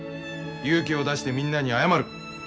勇気を出してみんなに謝る。